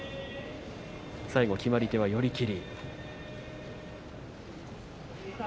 最後、決まり手は寄り切り。